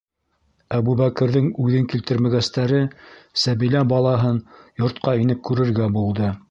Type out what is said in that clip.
Әбүбәкерҙең үҙен килтермәгәстәре, Сәбилә балаһын йортҡа инеп күрергә булды.